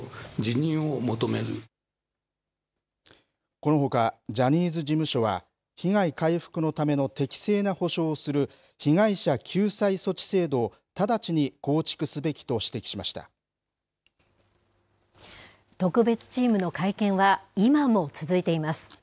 このほか、ジャニーズ事務所は、被害回復のための適正な補償をする被害者救済措置制度を直ち特別チームの会見は、今も続いています。